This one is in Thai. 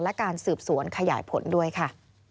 และการสืบสวนขยายผลด้วยค่ะ